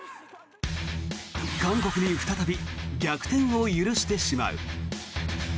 韓国に再び逆転を許してしまう。